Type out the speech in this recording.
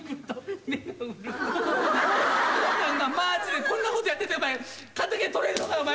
マーチでこんなことやっててお前敵取れるのかお前は！